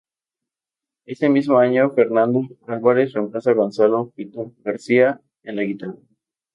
Ese mismo año Fernando Álvarez reemplaza a Gonzalo "pitu" García en la guitarra.